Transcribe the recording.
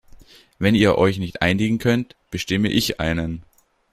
Wenn ihr euch nicht einigen könnt, bestimme ich einen.